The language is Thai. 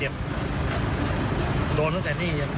อีกคนนึงโดน